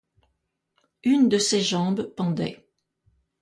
Une de ses jambes pendait.